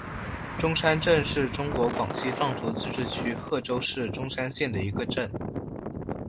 钟山镇是中国广西壮族自治区贺州市钟山县的一个镇。